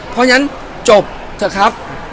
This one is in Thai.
เพราะฉะนั้นจบเถอะครับ